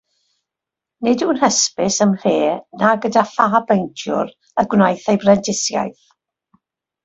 Nid yw'n hysbys ym mhle na gyda pha beintiwr y gwnaeth ei brentisiaeth.